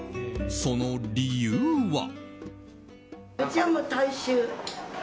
その理由は。